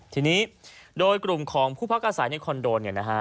ทีนี้โดยกลุ่มของผู้พักอาศัยในคอนโดน